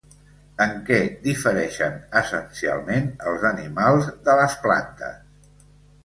En què difereixen essencialment els animals de les plantes?